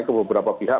ke beberapa pihak